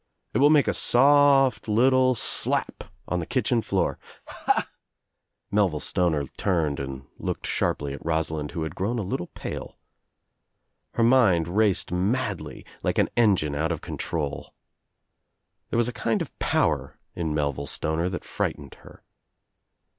It ■will make a soft little slap on the kitchen floor —" I "Ha!" I Melville Stoner turned and looked sharply at Rosa End who had grown a little pale. Her mind raced madly, like an engine out of control. There was a kind of power in Melville Stoner that frightened her.